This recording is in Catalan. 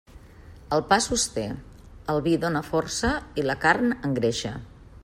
El pa sosté, el vi dóna força i la carn engreixa.